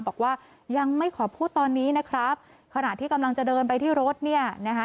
บอกว่ายังไม่ขอพูดตอนนี้นะครับขณะที่กำลังจะเดินไปที่รถเนี่ยนะคะ